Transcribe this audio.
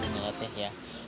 dan desainnya juga unik